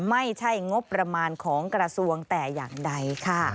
ไม่ใช่งบประมาณของกระทรวงแต่อย่างใดค่ะ